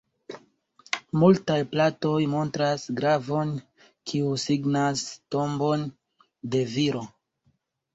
Multaj platoj montras glavon, kiu signas tombon de viro.